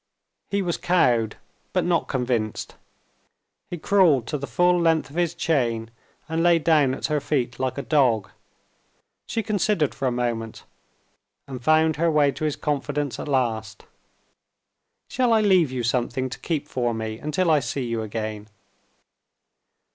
He was cowed, but not convinced; he crawled to the full length of his chain, and lay down at her feet like a dog. She considered for a moment and found her way to his confidence at last. "Shall I leave you something to keep for me until I see you again?"